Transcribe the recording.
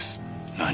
何？